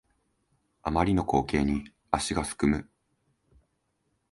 あまりの光景に足がすくむ